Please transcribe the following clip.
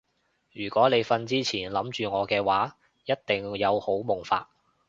如果你瞓之前諗住我嘅話一定有好夢發